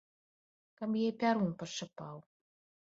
Каб яе пярун пашчапаў!